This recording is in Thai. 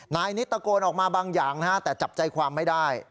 นายนิดตะโกนออกมาบางอย่างนะฮะแต่จับใจความไม่ได้